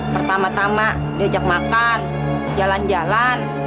pertama tama diajak makan jalan jalan